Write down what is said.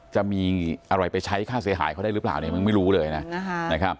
จะมีอะไรไปใช้ค่าเสียหายเขาได้หรือเปล่าเนี่ยมึงไม่รู้เลยนะ